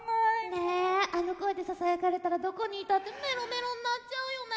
ねあの声でささやかれたらどこにいたってメロメロになっちゃうよね。